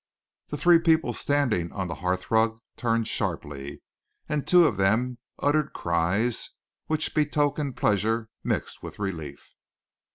The three people standing on the hearthrug turned sharply and two of them uttered cries which betokened pleasure mixed with relief.